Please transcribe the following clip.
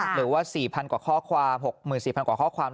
หรือว่า๔๐๐กว่าข้อความ๖๔๐๐กว่าข้อความ